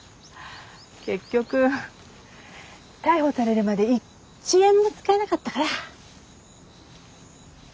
結局逮捕されるまで一円も使えなかったから。